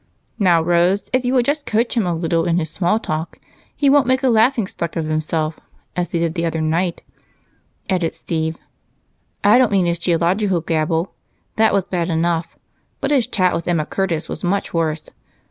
"Now, Rose, if you will just coach him a little in his small talk, he won't make a laughingstock of himself as he did the other night," added Steve. "I don't mean his geological gabble that was bad enough, but his chat with Emma Curtis was much worse.